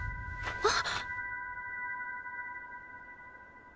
あっ。